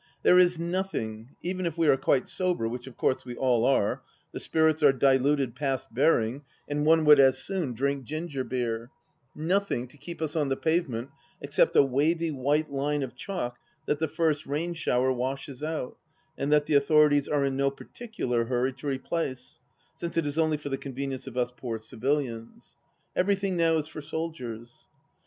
There is nothing — even if we are quite sober, which of course we all are ; the spirits are diluted past bearing and one would as soon drink ginger^beer 1 — ^nothing to keep us on the pavement except a wavy white line of chalk that the first rain shower washes out and that the authorities are in no particular hurry to replace, since it is only for the convenience of us poor civilians. Everything now is for soldiers.